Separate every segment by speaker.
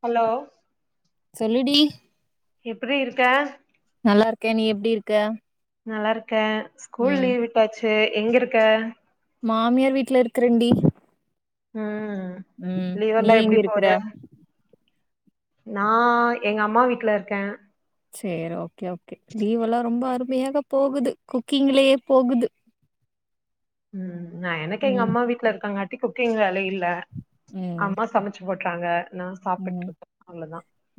Speaker 1: Hello
Speaker 2: சொல்லுடி
Speaker 1: எப்புர்ரி இருக்க
Speaker 2: நல்லா இருக்கே நீ எப்டி இருக்க
Speaker 1: நல்லா இருக் க ஸ்கூல்
Speaker 2: ம்
Speaker 1: லீவ் விட்டாச்சு த எங்க இருக்க
Speaker 2: மாமியார் வீட்டுல இருக்குறன்டி
Speaker 1: ம்
Speaker 2: ம் நீ
Speaker 1: லீவெல்லா
Speaker 2: எங்க
Speaker 1: எப்டி
Speaker 2: இருக்குற
Speaker 1: போது நா எங்க அம்மா வீட்டுல இருக்கென்
Speaker 2: செர் ஓகே ஓகே லீவ் எல்லாம் ரொம்ப அருமையாக போகுது குக்கிங்லயே போகுது
Speaker 1: ம் நா எனக்கு எங்க
Speaker 2: ம்
Speaker 1: அம்மா வீட்டுல இருக்கங்க குக்கிங் வேல இல்ல
Speaker 2: ம்
Speaker 1: ஆமா சமைச்சு போட் ட்றாங்க
Speaker 2: ம்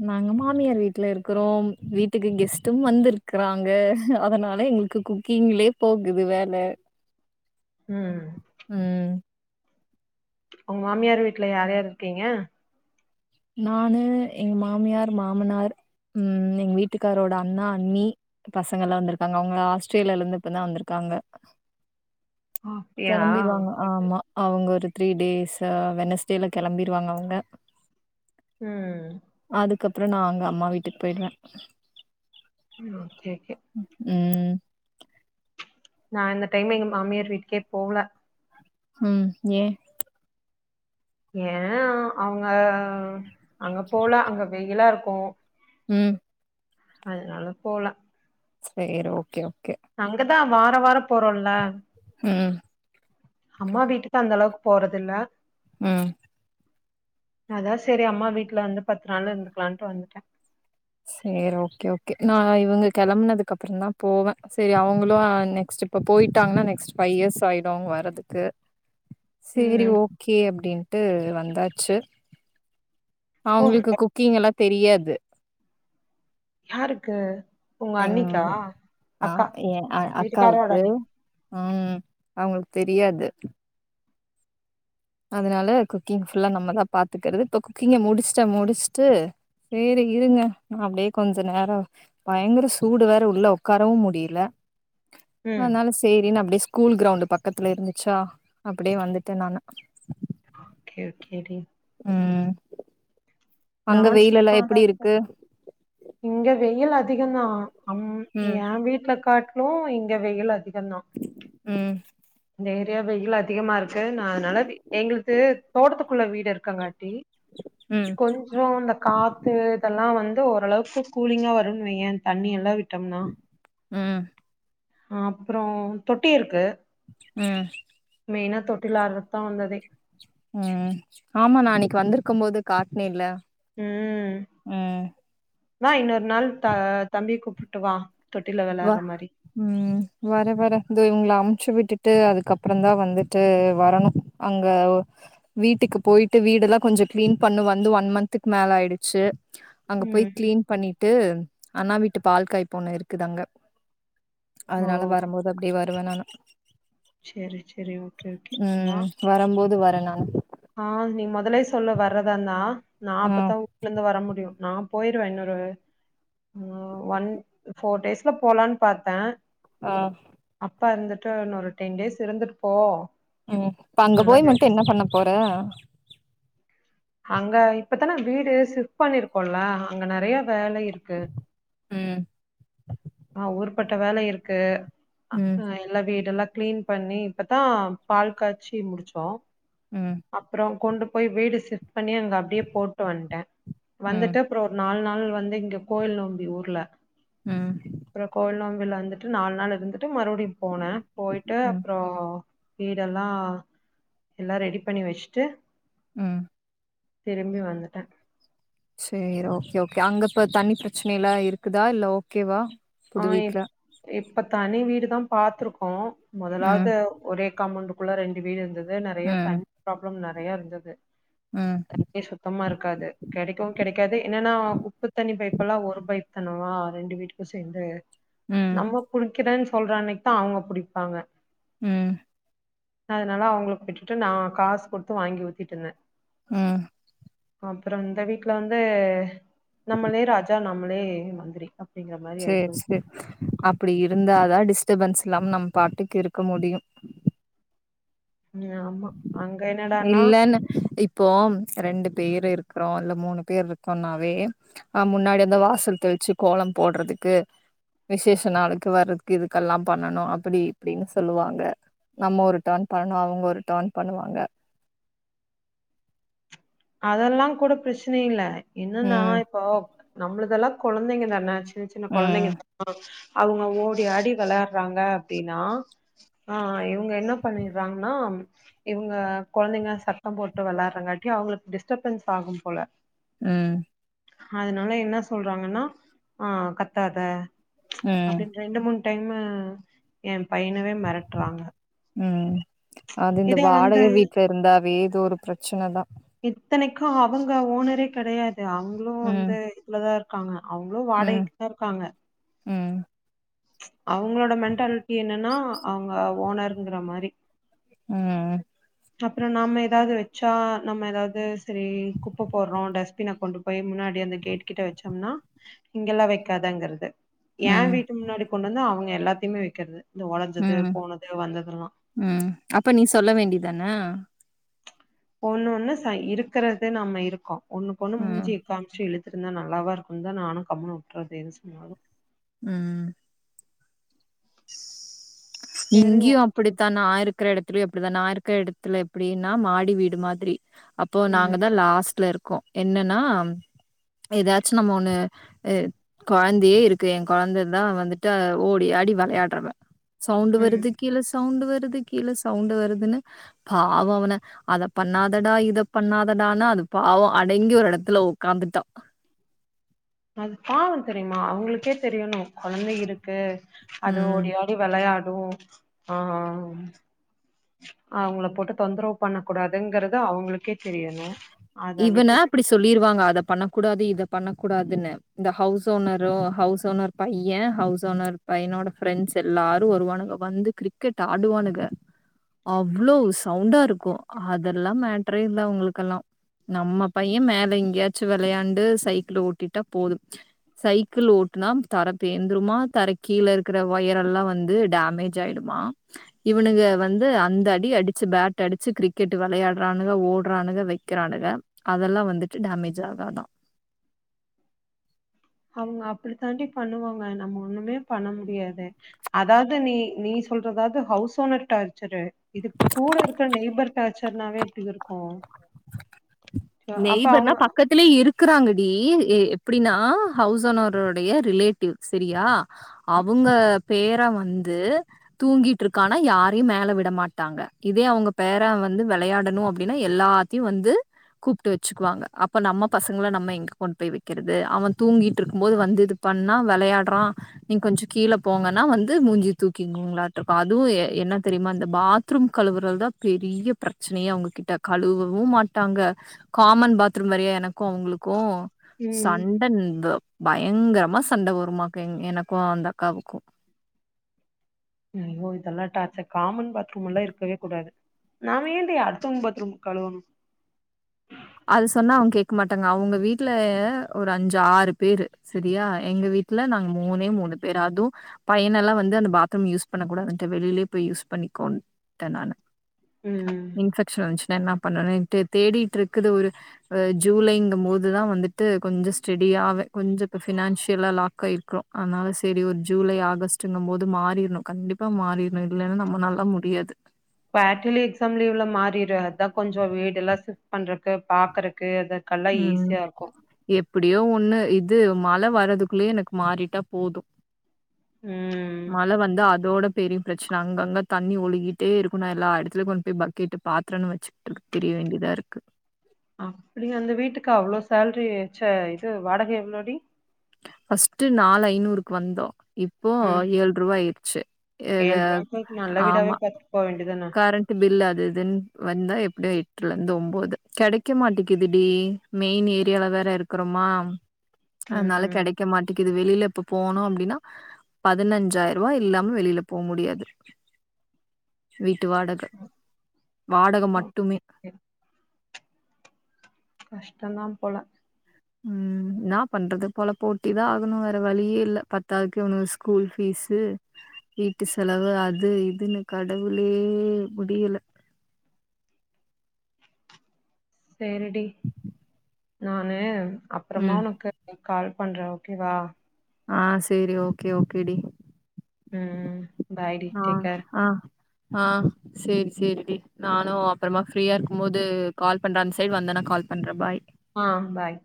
Speaker 2: நாங்க மாமியார் வீட்டுல இருக்குறோம் வீட்டுக்கு கெஸ்ட்டும் வந்திருக்குறாங்க அதனால எங்களுக்கு குக்கிங்லயே போகுது வேல
Speaker 1: ம்
Speaker 2: ம்
Speaker 1: உங்க மாமியார் வீட்டுல யார் யார் இருக்கீங்க
Speaker 2: நானு எங்க மாமியார் மாமனார் ம் எங்க வீட்டுக்காரோட அண்ணா அண்ணி பசங்கலா வந்திருக்காங்க அவங்க ஆஸ்த்ரேல்யால இருந்து இப்பதா வந்துருக்காங்க
Speaker 1: அப்டியா
Speaker 2: கிளம்பிடுவாங்க ஆமா அவங்க ஒரு த்ரீ டேஸ் ம் வெனஸ்டேல கெளம்பிருவாங்க அவங்க
Speaker 1: ம்
Speaker 2: அதுக்கப்றோ நா அங்க அம்மா வீட்டுக்கு போயிடுவ
Speaker 1: ம் ஓகே ஓகே
Speaker 2: ம்
Speaker 1: நா இந்த டைம் எங்க மாமியார் வீட்டுக்கே போவல
Speaker 2: ம் ஏ
Speaker 1: ஏ அ அவுங்க அங்க போல அங்க வெயிலா இருக்கு போ
Speaker 2: உம்
Speaker 1: அதனாலப் போல
Speaker 2: சேர் ஓகே ஓ
Speaker 1: அங்கத் தான் வார வாரம் போறோல
Speaker 2: ம்,
Speaker 1: அம்மா வீட்டுக்கு அந்த அளவுக் போறதில்ல
Speaker 2: ம்
Speaker 1: அதான் செரி அம்மா வீட்டுல வந்து பத்து நாளு இருந்துக்கலான்ட்டு வந்டேன்
Speaker 2: சேரி ஓகே ஓகே நா இவங்க கெளம்னதுக்கு அப்புறோ தா போவ சேரி அவுங்களோ நெக்ஸ்ட் இப்ப போயிட்டாங்கன்னா நெக்ஸ்ட் ஃபைவ் இயர்ஸ் ஆயிடோ அவுங்க வர்றதுக்கு சேரி
Speaker 1: ம்
Speaker 2: ஓகே அப்டின்ட்டு வந் தாச்சி
Speaker 1: ஓ
Speaker 2: அவுங்குளுக்கு குக்கிங்கெல்லாத் தெரியாது
Speaker 1: யாருக்கு உங்க
Speaker 2: எங்
Speaker 1: அண்ணிக்கா
Speaker 2: ஆ
Speaker 1: அக்கா
Speaker 2: என் அ
Speaker 1: வீட்டுக்காரோட
Speaker 2: அக்காவுக்கு.
Speaker 1: அண்ணி
Speaker 2: ம் அவுங்ளுக்கு தெரியாது அதனால குக்கிங் ஃபுல்லா நம்மதான் பாத்துக்கறது இப்போ குக்கிங்க முடிஸ்ட்டன் முடிஸ்ட்டு சேரி இருங்க நா அப்டியே கொஞ்சோ நேரோ பயங்கர சூடு வேற உள்ள ஒக்காரவோ முடியுல ஆ
Speaker 1: ம்
Speaker 2: அதனால சேரினு அப்டியே ஸ் கூல் கிரௌண்டு பக்கத்துல இருந்துச்சா அப்படியே வந்துட்டேன் நானு
Speaker 1: ஓகே ஓகே டீல்
Speaker 2: ம்
Speaker 1: நா
Speaker 2: அங்க வெயிலெல்லா
Speaker 1: சும்மாதா
Speaker 2: எப்புடி இருக்கு
Speaker 1: இங்க வெயில் அதிகந்தா அம்
Speaker 2: ம்
Speaker 1: யே வீட்ல காட் னோ இங்க வெயில் அதிக்
Speaker 2: ம்
Speaker 1: இந்த ஏரியா வெயில் அதிகமாருக்கு நா அதனால வீ எங்ளுக்கு தோட்டத்துக்குள்ள வீடு இருக்காங் காட் டி
Speaker 2: ம்
Speaker 1: கொஞ்சோ இந்த காத்து இதெல்லா வந்த் து ஓரளவுக்கு கூலிங்கா வருன்னுவையேன் இந் தண்ணி எல்லாம் விட் டம்னா
Speaker 2: ம்
Speaker 1: ஹா அப்புறோ தொட்டி இருக்கு
Speaker 2: ம்
Speaker 1: மெய்னா தொட்டில் ஆட்றப்போதா வந்து அதே
Speaker 2: ம் ஆம்மா நா அன்னைக் வந்திருக்கும் போது காட்டுனேன்ல
Speaker 1: ம்
Speaker 2: ம்
Speaker 1: வா இன்னொரு நாள் த தம்பி கூப்புட்டு வா தொட்டில
Speaker 2: வ
Speaker 1: வெளாடுற மாரி
Speaker 2: ம் வர வர தோ இவுங்ள அம்ச்சு விட்டு ட்டு அதுக்கப்றோ தா வந்துட்டு வரணு அங்க வீட்டுக்கு போயிட்டு வீடெலா கொஞ்சோ கிளீன் பண்ணணு வந்து ஒன் மந்த்துக்கு மேல ஆயிடுச்சு அங்க போய்
Speaker 1: ம்
Speaker 2: கிளீன் பண்ணிட்டு அண்ணா வீட்டு பால் காய் பூன இருக் தங்க
Speaker 1: ஓ
Speaker 2: அதனால வரும்போது அப்படியே வருவேன் நானு
Speaker 1: சேரி சேரி ஓகே ஓகே வா
Speaker 2: ம் [unintelligible]
Speaker 1: ஆ நீ மொதலே சொல்ல வர்றதந்தனா நா
Speaker 2: ம்
Speaker 1: அப்பத்தா வூட்லேந்து வர முடியு நா போயிருவே இன்னொரு ஆ ஒன் ஃபோர் டேஸ்ல போலான் பாத்தே
Speaker 2: ஆ
Speaker 1: அப்பா வந்துட்டு இன்னொரு டென் டேஸ் இருந்துட்டு போ
Speaker 2: உம் இப்ப அங்க
Speaker 1: நல்லா
Speaker 2: போய் மட்டு என்ன
Speaker 1: ரெஸ்ட்
Speaker 2: பண்ண போற
Speaker 1: அங்க இப்பதானே வீடு சிஃட் பண்ணிருக்கோல்ல அங்க நிறைய வேலை இருக்கு
Speaker 2: ம்
Speaker 1: அ ஊர்பட்ட வேல இருக்கு
Speaker 2: ம்
Speaker 1: ஆ எல்லா வீடெல்லாக் கிளீன் பண்ணி இப்பதா பால் காய்ச்சி முடிச்சோ
Speaker 2: ம்
Speaker 1: அப்புறோ கொண்டு போய் வீடு சிப் பண்ணி அங்க அப்படியே போட்டு வந்ட்டே
Speaker 2: ம்
Speaker 1: வந்துட்டு அப்புறோ ஒரு நாலு நாள் அது வந்து இங்க கோயில் நோம்பி ஊர்ல
Speaker 2: ம்
Speaker 1: அப்புறோ கோயில் நோ வெள்ல வந்துட்டு நாலு நாள் இருந்துட்டு மறுபடியூ போனே போயிட்டு
Speaker 2: ம்
Speaker 1: அப்றோ வீடெல்லா எல்லா ரெடிப் பண்ணி வச்சுட்டு
Speaker 2: ம்
Speaker 1: திரும்பி வந்துட்டே
Speaker 2: சேரி ஓகே ஓகே அங்க ப தண்ணி ப்ரச்னல்லா இருக்குதா இல்ல ஓகேவா
Speaker 1: ஆ
Speaker 2: புது
Speaker 1: எப்
Speaker 2: வீட்ல
Speaker 1: இப் ப தனி வீடுதா பாத்திருக்கோ
Speaker 2: ம்
Speaker 1: மொதலாவ்து ஒரேக் காமௌண்டுக்குள்ள ரெண்டு வீடு இருந்துத் து நறைய
Speaker 2: ம்
Speaker 1: தண்ணி ப்ராப்ளம் நற் றையருந்துது
Speaker 2: ம்
Speaker 1: தண்ணியே சுத்தமா இருக்காது கெடைக்கூ கெடைக்காது என்னன்னா உப்பு தண்ணி பைப்பெல்லா ஒரு பைப் கணவா ரெண்டு வீட்டுக்கூ ஸ் தெந்தயர்
Speaker 2: ம்
Speaker 1: நம்மோ புடிக்கிறேன் ஸ் சொல்றன்னைக்கு தா அவங்க புடிப்பாங்க
Speaker 2: ம்
Speaker 1: அதனால அவங்களுக்கு விட்டுட்டு நா காசு குடுத்து வாங்கி ஊத்திட்ருந்தே
Speaker 2: ம்
Speaker 1: அப்றோ இந்த வீட்ல வந்து நம்மளே ராஜா நம்மளே மந்திரி அப்டிங்
Speaker 2: சேர் செரி அப்டிருந்தாதா டிஸ் டடபன்ஸ் இல்லாம நம் பாட்டுக்கு இருக்க முடியூ
Speaker 1: ம் ஆமா அங்க என்னடான்னா
Speaker 2: இல்லனு இப்போ ரெண்டுப் பேரு இருக்கிறோ இல்ல மூணு பேர் இருக்கோன்னாவே முன்னாடி அந்த வாசல் தெளிச்சு கோலோ போடுறதுக்கு விசேஷ நாளுக்கு வர்றதுக்கு இதுக்கெல்லா பண்ணணு அப்டி இப்டின்னு சொல்லுவாங்க நம்ம ஒரு டர்ன் பண்ணுவோ அவங்க ஒரு ட் டர்ன் பண்ணுவாங்க
Speaker 1: அதெல்லா கூட ப்ரச்னையில்ல இன்னூ நா
Speaker 2: ம்
Speaker 1: எப்போப் நம்மளதெல்லா கொழந்தைங்க தான ச் சின்ன சின்ன
Speaker 2: ம்
Speaker 1: கொழந்தைங்கல்லா அவுங்க ஓடி ஆடி வெளயாட்றாங்க அப்டினா ஆ இவங்க என்ன பண்ணிடுறாங்னா இவுங்க கொழந்தைங்க சத்தம் போட் டு வெளாட்றாங்கட்டி அவுங்ளுக் டிஸ்டபன்ஸ் ஆகும் போல
Speaker 2: ம்
Speaker 1: அத்னால என்ன சொல்றாங்கன்னா ஆ கத்தாத
Speaker 2: ம்
Speaker 1: அப்டினு ரெண்டு மூண் டைமு எ பையனவே மெரட்றாங்க
Speaker 2: ம் அது இந்த வாடக வீட்ல இருந்தாவே இது ஒரு பிரச்சனதா
Speaker 1: இத்தனைக்கு அவங்க ஓனரே கெடையா து அவங்களு
Speaker 2: ம்
Speaker 1: வந்து இதுலதா இரு காங்க அவுங்க்ளோ
Speaker 2: ம்
Speaker 1: வாடகைக்குதா இருக்காங்க
Speaker 2: ம்
Speaker 1: அவுங்களோட மென்டாலிட்டி என்னன்னா அவுங்க ஓனர்ருங்குற மாரி
Speaker 2: ம் ம்
Speaker 1: அப்புற நம்ம ஏதாவது வெச்சா நம்ம ஏதாவது சரி குப்ப போட்றோ டஸ்பின கொண்டு போய் முன்னாடி அந்த கேட் கிட்ட வெச்சோம்னா இங்கெல்லா வெக்காதங்குறது யே
Speaker 2: ம்
Speaker 1: வீட்டு முன்னாடி கொண்டு வந்து அவங் எல்லாத்தையுமே வெக்கிறது
Speaker 2: உம் உம் அப்ப நீ சொல்ல வேண்டிதானே
Speaker 1: ஒன்னு ஒன்னு சய் இருக்கறது நம்ம இருக்கோ ஒன்னுக் ஒன்னு
Speaker 2: ம்,
Speaker 1: மூஞ்சி காம்சு இழு இருந்தா நல்லாவா இருக்குந்தா நானு கம்னு வுட்றது எது சொன்னாலு
Speaker 2: உம்
Speaker 1: சரி
Speaker 2: இங்க்யு
Speaker 1: ஓகே.
Speaker 2: அப்டித்தா நா இருக்குற எடத் ப்டியோ அப்டிதா நா இருக்க எடத்துல எப்டின்னா மாடி வீடு மாதிரி அப்போ
Speaker 1: ம்,
Speaker 2: நாங்க தா லாஸ்ட்ல இருக் கோ என்னன்னா ஏதாச்சு நம்ம ஒன்னு அ கொய்ந்தயே இருக்கு என் கொய்ந்த தா வந்துட்டு ஓடி ஆடி வெளையாட்றவ சவுண்டு
Speaker 1: ம்.
Speaker 2: வருது கீழ சவுண்டு வரு ருது கீழ சவுண்டு வருதுன்னு பாவோ அவன அத பண்ணாதடா இத பண்ணாதடானா அது பாவோ அடங்கி ஒரு எடத்துல உக்காந்துட்டா
Speaker 1: அது பாவ தெரியுமா அவங்களுக்கே தெரியணு கொழந்த இருக்கு அது
Speaker 2: ம்.
Speaker 1: ஓடி ஆடி வெளையா ஓ ஆஹ் ஆஹ் அவங்கள போட்டு தொந்தரவு பண்ணக் குடாதுங்கறது அவ்ங்களுக்கே தெரியணு அத
Speaker 2: இவன
Speaker 1: விட்டுட்டு
Speaker 2: அப்புடி சொல்லிருவாங்க அத பண்ணக்கூடாது, இத பண்ணக்கூடாதுன்னு இந்த ஹவுஸ் ஓனரு, ஹவுஸ் ஓனர் பையன், ஹவுஸ் ஓனர் பைய்னோட ஃப்ரெண்ட்ஸ் எல்லாரும் வருவானுங்க, வந்து க்ரிக்கெட் ஆடுவானுங்க அவ்ளோ சவுண்டாருக்கு அதெல்லாம் மேட்டரே இல்ல அவுங்களுக்கெல்லாம். நம்ம பையன் மேல எங்கியாச்சும் விளையாண்டு சைக்கிள ஓட்டிட்டா போதும், சைக்கிள் ஓட்டுனா தர பேந்த்துருமா, தர கீழ இருக்கிற ஒயரெல்லாம் வந்து டேமேஜ்ஜாயிடுமா. இவனுங்க வந்து அந்த அடி அடிச்சு பேட்டடிச்சு கிரிக்கெட்டு விளையாடுறானுங்க ஓடுறானுங்க வைக்க குறானுங்க அதெல்லாம் வந்துட்டு டேமேஜ் ஆகாதா
Speaker 1: அவங்க அப்டித் தாண்டி பண்ணுவாங்க நம்ம ஒண்ணுமே பண்ண முடியாது. அதாவது நீ நீ சொல்றதாவது ஹவுஸ் ஓனர் டார்ச்சர். இது கூட இருக்கிற நெய்பர் டார்ச்சர்னாவே இப்படி இருக்கூ
Speaker 2: நெய்பர்னா பக்கத்துலயே இருக்குறாங்க. இத் எ எப்புடினா ஹவுஸ் ஓனரொடைய ரிலேட்டிவ் செரியா அவுங்க பேரென் வந்து தூங்கிட்டு இருக்கானா யாரையும் மேல விட மாட்டாங்க. இதே அவுங்க பேரென் வந்து விளையாடணூ அப்டின்னு எல்லாத்தியும் வந்து. கூப்ட்டு வச்சுக்குவாங்க. அப்ப நம்ம பசங்க்ள நம்ம எங்க கொண்டு போய் வைக்கிறது. அவன் தூங்கிட்டிருக்கும் போது வந்து இது பண்ணா விளையாடு்றான் நீங் கொஞ்சோ கீழே போங்கன்னா வந்து மூஞ்சிய தூக்கிங்வாங்களாட்டம். அதுவும் என்ன தெரியுமா அந்த பாத்துரூம் கழுவுறத் தான் பெரிய பிரச்சனயே அவுங்க கிட்ட, கழுவவும் மாட்டாங்க. காமன் பாத்துரூம் வெரயா எனக்கூ அவுங்ளுக்கும்.
Speaker 1: ம்
Speaker 2: சண்ட [unintelligible] பயங்கரமா சண்ட வருமாக்கு எங் எனக்கு அந்த அக்காவுக்கு
Speaker 1: ஐயோ இதெல்லா டார்ச்சர் காமன் பாத்ரூம் எல்லா இருக்கவே கூடாது நாம ஏண்டி அடுத்தவங்க் பாத்ரூம் கழுவணு
Speaker 2: அது சொன்னா அவங்க கேக்க மாட்டாங்க அவங்க வீட்ல ஒரு அஞ்சு ஆறு பேரு சரியா எங்க வீட்ல நாங்க மூணே மூணு பேரு அதுவு பையன எல்லா வந்து அந்த பாத்ரூம் யூஸ் பண்ண கூடாதுன்ட வெளிலயே போய் யூஸ் பண்ணிக்கோன்டே நானு
Speaker 1: ம்
Speaker 2: இன்ஃபெக்ஷன் வன்ச்சு னா என்ன பண்ணர தே தேடிட்ருக் இருக்குது ஒருஹ ஜூலைங்கும் போதுதான் வந்துட்டு கொஞ்ச ஸ்டெடியாவெ கொஞ்சொ இப்ப ஃபினான்சியலா லாக்காயிருக்ரோம். அதனால செரி ஒரு ஜூலை ஆகஸ்டுங்கும் போது மாறிர்ணும் கண்டிப்பா மாறிர்னு இல்லைன்னா நம்ம நானலா முடியாது.
Speaker 1: குவாட்டலி எக்ஸாம் லீவ்ல மாறிரு. அதான் கொஞ்ஞொ வீடுல்லா ஷிப்ட் பண்றக்கு பாக்குறக்கு அத க்கல்லா ஈஸியா இருக்கொ
Speaker 2: படியோ ஒண்ணு இது மழ வரதுக்குள்ளயே எனக்கு மாறிட்டா போது
Speaker 1: ம்
Speaker 2: மழ வந்து அதோட பெரிய பிரச்சன அங்க அங்க தண்ணி ஒழுகிட்டே இருக்கும்ன்னா எல்லா இடத்துலயு கொண்டு போய் பக்கெட்டு பாத்திரம்ன்னு வச்சுட்டுருக் திரிய வேண்டிதா இருக்கு.
Speaker 1: அப்டி அந்த வீட்டுக்கு அவ்ளோ சேல்ரி வச்ச இது வாடகை எவ்ளோடி
Speaker 2: ஃபர்ஸ்ட் நாலு ஐநூறுக்கு வந்தோம் இப்போ ஆயி ஏழ்ருபா ஆயிரு செரி
Speaker 1: ஏழ்ருவாக்கு ஒரு நல்ல வீடாவே பாத்துட்டு போக வேண்டியது
Speaker 2: கரண்ட் பில் அது இதின் வந்தா எப்டி எட்ல இருந்து ஒம்போது. கெடைக்க மாட்டிக்கிது டி மெயின் ஏரியால வேற இருக்கறமா அத்னால
Speaker 1: ம்
Speaker 2: கெடைக்க மாட்டிக்கிது வெளில இப்போ. போனோம் அப்டின்னா பதினஞ்சாயிருவா இல்லாம வெளில போ முடியாது. வீட் ட்டு வாடக வாடக மட்டுமே
Speaker 1: ஓகே ஓகே கஷ்டோ தா போல
Speaker 2: உம் நா பண்றது பொழப்ப ஓட்டிதா ஆகணு வேற வழியே இல்ல. பத்தாதுக்கு இவனுங்க ஸ்கூல் பீஸ்சு வீட்டு செலவு அது இதுன்னு கடவுளே முடியல
Speaker 1: சேரிடி நானு அப்றமா
Speaker 2: ம்
Speaker 1: உனக்கு கால் பண்ற ஓகேவா
Speaker 2: ஆ சேரி ஓகே ஓகேடி
Speaker 1: ம் பாய் டீ
Speaker 2: ஆ
Speaker 1: டேக்கேர்
Speaker 2: ஆ ஆ செரி செரிடி நானு அப்பறமா ஃப்ரீயா இருக்கும் போது கால் பண்ற அந்த சைடு வந்தனா கால் பண்ற பாய்
Speaker 1: ஆ பாய்